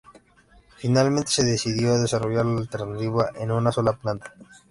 Finalmente se decidió desarrollar la alternativa en una sola planta.